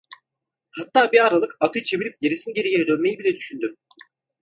Hatta bir aralık atı çevirip gerisingeriye dönmeyi bile düşündüm.